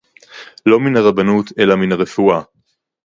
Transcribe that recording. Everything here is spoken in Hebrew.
לא מן הרבנות אלא מן הרפואה